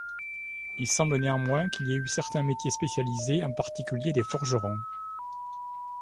Il semble, néanmoins, qu'il y ait eu certains métiers spécialisés, en particulier des forgerons.